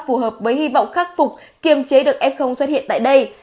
phù hợp với hy vọng khắc phục kiềm chế được ép không xuất hiện tại đây